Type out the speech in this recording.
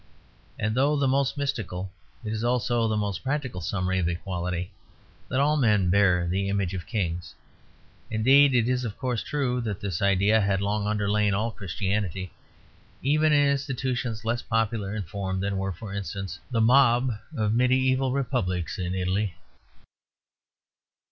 And, though the most mystical, it is also the most practical summary of equality that all men bear the image of the King of Kings. Indeed, it is of course true that this idea had long underlain all Christianity, even in institutions less popular in form than were, for instance, the mob of mediæval republics in Italy.